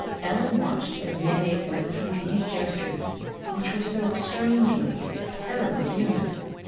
Ellen watched as Manape went through these gestures which were so strangely, terribly human.